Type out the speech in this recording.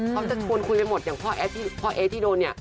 เขาจะชวนคุยไปหมดอย่างพ่อเอ๊ที่โดนเนี่ย